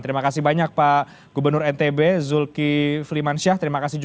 terima kasih banyak pak gubernur ntb zulkifliman syah